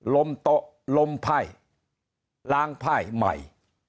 ลมโต๊ะลมไพ่ล้างไพ่ใหม่